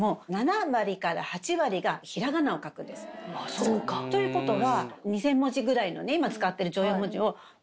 そうか。ということは。